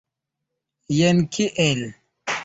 Jen kiel.